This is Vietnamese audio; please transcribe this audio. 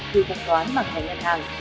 từ cuộc toán bằng hàng ngân hàng